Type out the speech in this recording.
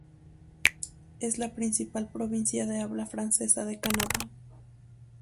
Es la principal provincia de habla francesa de Canadá.